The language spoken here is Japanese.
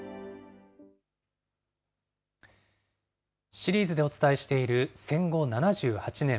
シリーズでお伝えしている戦後７８年。